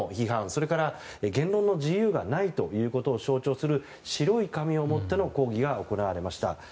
それから言論の自由がないということを象徴する白い紙を持っての抗議が行われました。